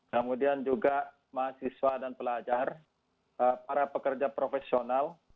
kemudian juga mahasiswa dan pelajar para pekerja profesional